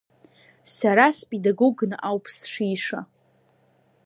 Сара спедагогны ауп сшиша.